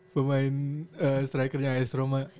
pemain strikernya ice roma